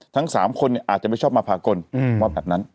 ทั้ง๓คนอาจจะไม่ชอบมาพากลว่าแบบนั้น